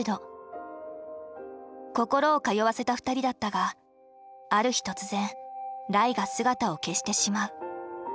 心を通わせた２人だったがある日突然ライが姿を消してしまう。